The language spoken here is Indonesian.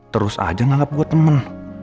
terus aja nganggap gue temen